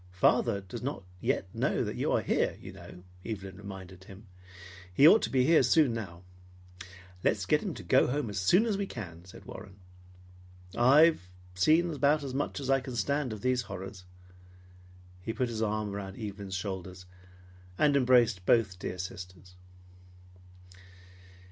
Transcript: "Father does not know yet that you are here, you know," Evelyn reminded him. "He ought to be here soon now." "Let's get him to go home as soon as we can," said Warren. "I've seen about all I can stand of these horrors." He put his arm around Evelyn's shoulders and embraced both dear sisters.